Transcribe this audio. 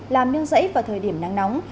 làm nương dãy vào thời điểm nắng nóng